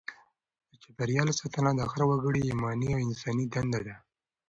د چاپیریال ساتنه د هر وګړي ایماني او انساني دنده ده.